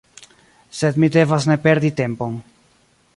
Sed mi devas ne perdi tempon.